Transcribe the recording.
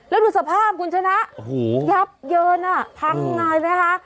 แล้วดูสภาพคุณชนะยับเยอะน่ะทางไหนนะคะ